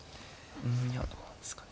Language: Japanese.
うんいやどうなんですかね。